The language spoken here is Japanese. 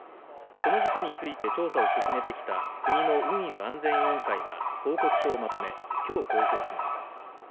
この事故について調査を進めてきた国の運輸安全委員会は報告書をまとめきょう公表しました。